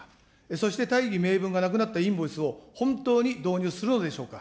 そして大義名分がなくなったインボイスを本当に導入するのでしょうか。